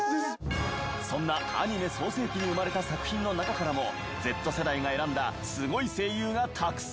そんなアニメ創成期に生まれた作品の中からもＺ世代が選んだスゴい声優がたくさん！